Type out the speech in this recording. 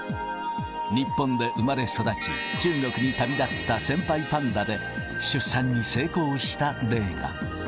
日本で生まれ育ち、中国に旅立った先輩パンダで、出産に成功した例が。